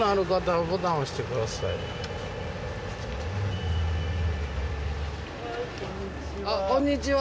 はいこんにちは。